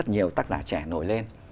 rất nhiều tác giả trẻ nổi lên